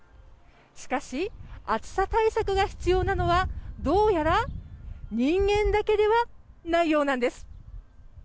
しかし、暑さ対策が必要なのはどうやら人間だけではないようなんです。